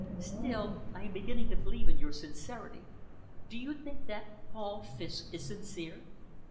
Still, I am beginning to believe in your sincerity. Do you think that Paul Fiske is sincere?"